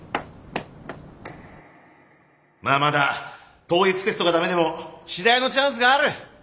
まあまだ統一テストがダメでも私大のチャンスがある。